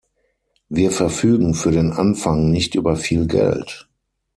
Wir verfügen für den Anfang nicht über viel Geld.